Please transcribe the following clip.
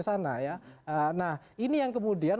sana ya nah ini yang kemudian